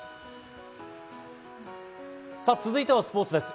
続いてはスポーツです。